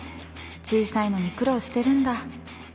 小さいのに苦労してるんだ。